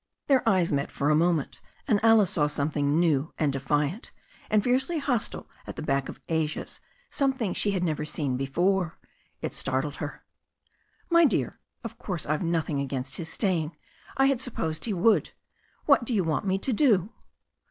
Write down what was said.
Their eyes met for a moment, and Alice saw something new and defiant, and fiercely hostile at the back of Asia's, something she had never seen there before. It startled her. *'My dear, of course I've nothing against his staying. I had supposed he would. What do you want me to do?'